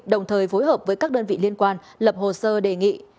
đồng thời phối hợp với các đơn vị liên quan lập hồ sơ đề nghị